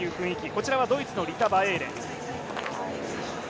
こちらはドイツのリタ・バエーレ。